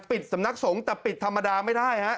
สำนักสงฆ์แต่ปิดธรรมดาไม่ได้ฮะ